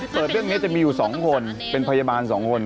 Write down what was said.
เรื่องนี้จะมีอยู่๒คนเป็นพยาบาล๒คน